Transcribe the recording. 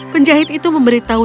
penjahit itu memberi tahu